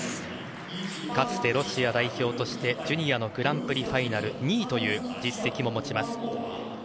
かつてロシア代表としてジュニアのグランプリファイナル２位という実績も持ちます。